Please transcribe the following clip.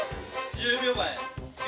１０秒前９。